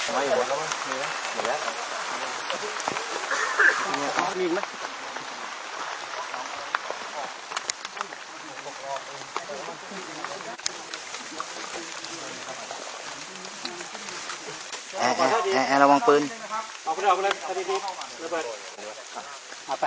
ว่ายได้เรียกเลยนะตอกตอกไปตรงรถที่หรออียา